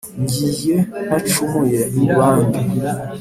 ngiye ntacumuye, mu bandi